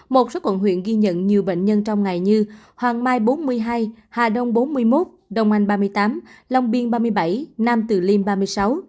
một số quận huyện ghi nhận nhiều bệnh nhân trong ngày như hoàng mai bốn mươi hai hà đông bốn mươi một đông anh ba mươi tám long biên ba mươi bảy nam từ liêm ba mươi sáu